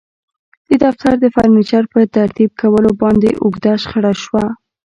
د دفتر د فرنیچر په ترتیب کولو باندې اوږده شخړه شوه